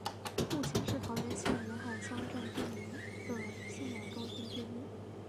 目前是桃园县沿海乡镇居民的信仰中心之一。